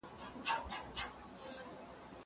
زه له سهاره مېوې راټولوم!